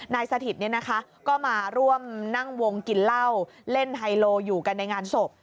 สถิตก็มาร่วมนั่งวงกินเหล้าเล่นไฮโลอยู่กันในงานศพ